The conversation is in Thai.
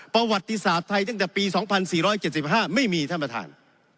ประวัติศาสตร์ไทยตั้งแต่ปี๒๔๗๕ไม่มีท่านประธาน